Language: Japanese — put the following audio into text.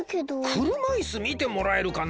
くるまいすみてもらえるかな？